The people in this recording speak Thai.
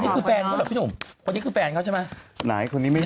คนนี้คือแฟนเขาใช่มะ